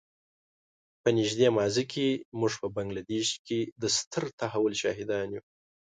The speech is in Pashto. په نږدې ماضي کې موږ په بنګله دېش کې د ستر تحول شاهدان یو.